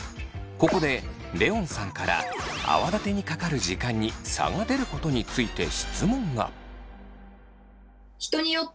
ここでレオンさんから泡立てにかかる時間に差が出ることについて質問が。